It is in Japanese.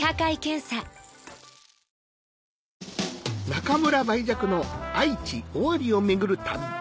中村梅雀の愛知・尾張を巡る旅